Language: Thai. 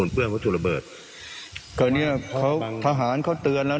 เปิดเสียงด้วยครับ